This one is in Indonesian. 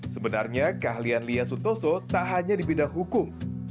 sebenarnya keahlian lya suntoso tak hanya di bidang hukum